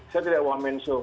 saya tidak wah mensuh